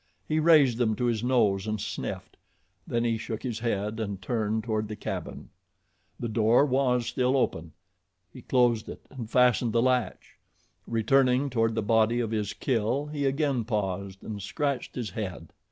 He raised them to his nose and sniffed. Then he shook his head and turned toward the cabin. The door was still open. He closed it and fastened the latch. Returning toward the body of his kill he again paused and scratched his head.